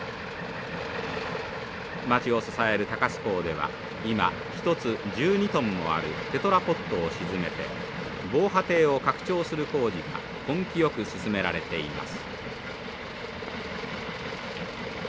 町を支える鷹巣港では今１つ１２トンもあるテトラポッドを沈めて防波堤を拡張する工事が根気よく進められています。